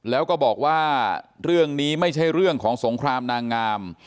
แล้วก็บอกว่าเรื่องนี้ไม่ใช่เรื่องของสงครามนางงาม